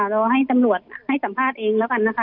รอให้ตำรวจให้สัมภาษณ์เองแล้วกันนะคะ